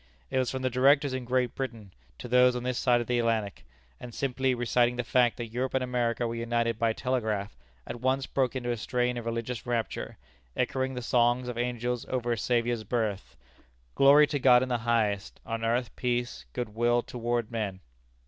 It was from the Directors in Great Britain to those on this side the Atlantic, and, simply reciting the fact that Europe and America were united by telegraph, at once broke into a strain of religious rapture, echoing the song of the angels over a Saviour's birth: "Glory to God in the highest; on earth, peace, good will toward men."